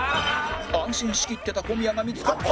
安心しきってた小宮が見付かった！